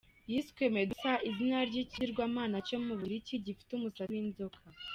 Yiswe Medusa, izina ry’ikigirwamana cyo mu Bugiriki gifite umusatsi w’inzoka.